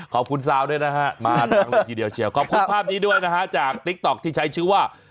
ขอบคุณซาวด้วยนะฮะขอบคุณภาพนี้ด้วยนะฮะจากติ๊กต๊อกที่ใช้ชื่อว่า